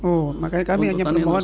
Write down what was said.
oh makanya kami hanya bermohonan